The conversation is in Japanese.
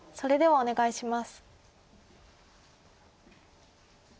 お願いします。